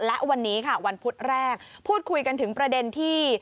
และวันนี้ค่ะวันพุธแรกพูดคุยกันถึงประเด็นที่